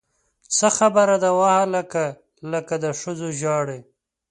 څه خبره ده وهلکه! لکه د ښځو ژاړې!